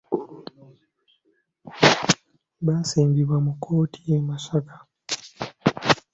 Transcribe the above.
Basimbibwa mu kkooti e Masaka.